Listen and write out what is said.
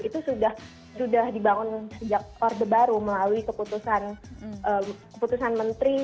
itu sudah dibangun sejak orde baru melalui keputusan menteri